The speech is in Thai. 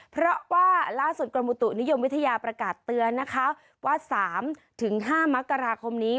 เพราะว่าล่าสุดกรมอุตุนิยมวิทยาประกาศเตือนนะคะว่า๓๕มกราคมนี้